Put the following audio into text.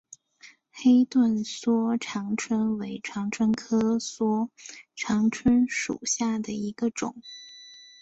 黑盾梭长蝽为长蝽科梭长蝽属下的一个种。